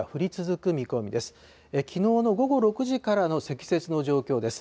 きのうの午後６時からの積雪の状況です。